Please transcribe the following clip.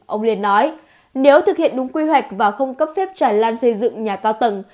ông liền nói nếu thực hiện đúng quy hoạch và không cấp phép tràn lan xây dựng nhà cao tầng